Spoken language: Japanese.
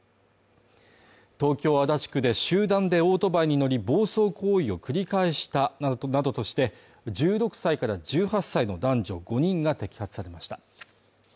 東京・足立区で集団でオートバイに乗り暴走行為を繰り返したなどとして１６歳から１８歳の男女５人が摘発されました。